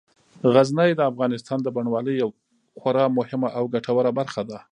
غزني د افغانستان د بڼوالۍ یوه خورا مهمه او ګټوره برخه ده.